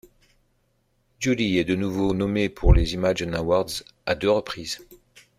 Judy est de nouveau nommée pour les Imagen Awards, à deux reprises.